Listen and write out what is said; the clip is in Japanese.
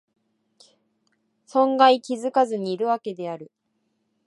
存外気がつかずにいるわけである